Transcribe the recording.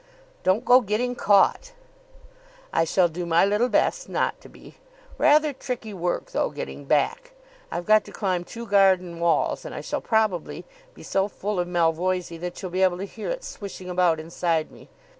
"Don't go getting caught." "I shall do my little best not to be. Rather tricky work, though, getting back. I've got to climb two garden walls, and I shall probably be so full of Malvoisie that you'll be able to hear it swishing about inside me.